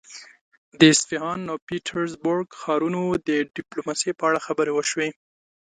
د اصفهان او پيترزبورګ ښارونو د ډيپلوماسي په اړه خبرې وشوې.